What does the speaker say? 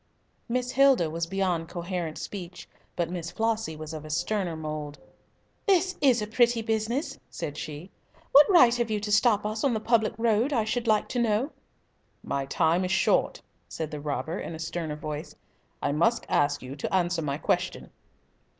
Miss Hilda was beyond coherent speech, but Miss Flossie was of a sterner mould. "This is a pretty business," said she. "What right have you to stop us on the public road, I should like to know?" "My time is short," said the robber, in a sterner voice. "I must ask you to answer my question."